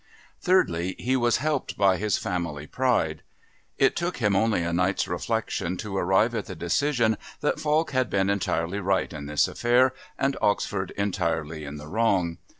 Thirdly, he was helped by his family pride. It took him only a night's reflection to arrive at the decision that Falk had been entirely right in this affair and Oxford entirely in the wrong.